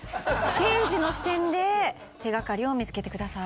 刑事の視点で手がかりを見つけてください